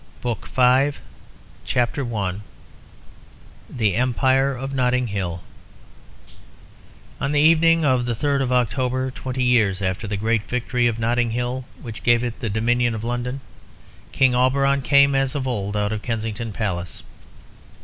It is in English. BOOK V CHAPTER I The Empire of Notting Hill On the evening of the third of October, twenty years after the great victory of Notting Hill, which gave it the dominion of London, King Auberon came, as of old, out of Kensington Palace.